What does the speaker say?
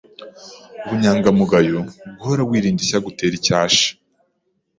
Ubunyangamugayo: guhora wirinda icyagutera icyasha